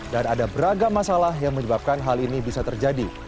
ada beragam masalah yang menyebabkan hal ini bisa terjadi